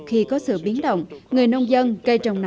khi có sự biến động người nông dân